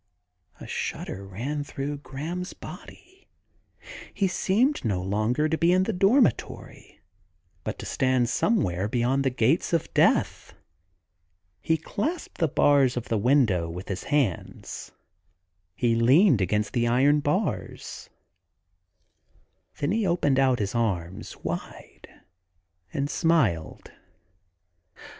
A shudder ran through Graham's body : he seemed no longer to be in the dormitory, but to stand somewhere beyond the gates of death. He clasped the bars of the window with his hands ; he leaned against the iron bars ; then he opened out his arms wide and smiled.